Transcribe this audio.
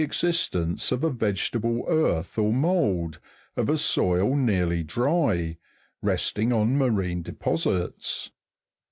157 existence of a vegetable earth or mould, of a soil nearly dry, resting on marine deposits.